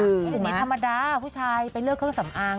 ภูมิธรรมดาผู้ชายไปเลือกเครื่องสำอาง